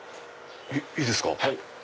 いいですか。